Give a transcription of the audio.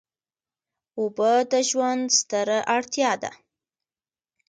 اوبه د ژوند ستره اړتیا ده.